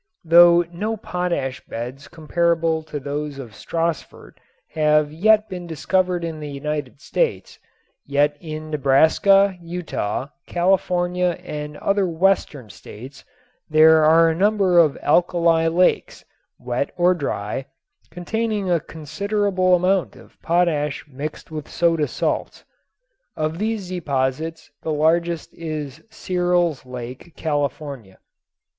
Though no potash beds comparable to those of Stassfurt have yet been discovered in the United States, yet in Nebraska, Utah, California and other western states there are a number of alkali lakes, wet or dry, containing a considerable amount of potash mixed with soda salts. Of these deposits the largest is Searles Lake, California.